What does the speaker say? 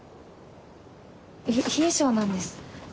冷え性なんです。